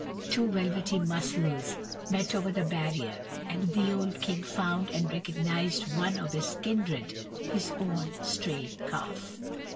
Two velvety muzzles met over the barrier, the old King found and recognized one of his kindred; his own stray calf.